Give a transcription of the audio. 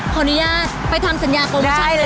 ขออนุญาตไปทำสัญญาโปรโมชันได้ไหมครับ